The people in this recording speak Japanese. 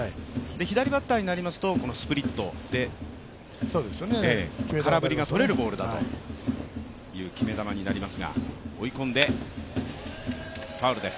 左バッターになりますとスプリットで空振りが取れるボールだという決め球になります。